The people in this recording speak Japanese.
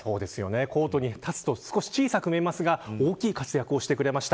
コートに立つと少し小さく見えますが大きい活躍をしてくれました。